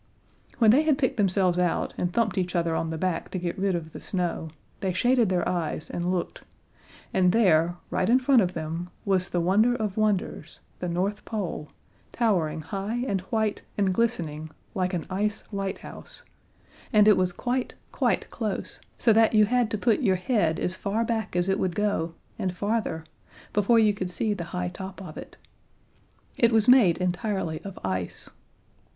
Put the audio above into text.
When they had picked themselves out and thumped each other on the back to get rid of the snow, they shaded their eyes and looked, and there, right in front of them, was the wonder of wonders the North Pole towering high and white and glistening, like an ice lighthouse, and it was quite, quite close, so that you had to put your head as far back as it would go, and farther, before you could see the high top of it. It was made entirely of ice.